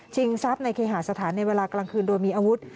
ทรัพย์ในเคหาสถานในเวลากลางคืนโดยมีอาวุธ